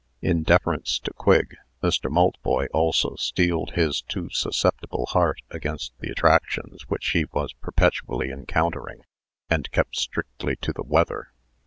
In deference to Quigg, Mr. Maltboy also steeled his too susceptible heart against the attractions which he was perpetually encountering, and kept strictly to the weather.